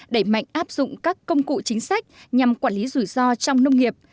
đẩy mạnh áp dụng các công cụ chính sách nhằm quản lý rủi ro trong nông nghiệp